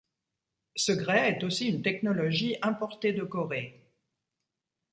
Ce grès est aussi une technologie importée de Corée.